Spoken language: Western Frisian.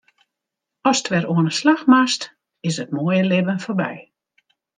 Ast wer oan 'e slach moatst, is it moaie libben foarby.